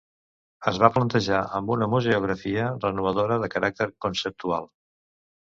Es va plantejar amb una museografia renovadora, de caràcter conceptual.